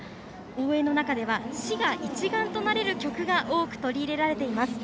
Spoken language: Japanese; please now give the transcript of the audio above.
応援の中では滋賀一丸となれる曲が多く取り入れられています。